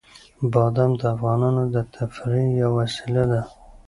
بادام د افغانانو د تفریح یوه وسیله ده.